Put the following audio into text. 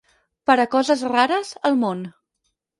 Per a coses rares, el món.